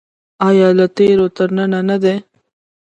آیا له تیرو تر ننه نه دی؟